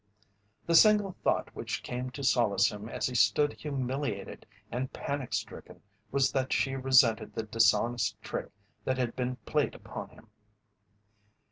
The single thought which came to solace him as he stood humiliated and panic stricken was that she resented the dishonest trick that had been played upon him.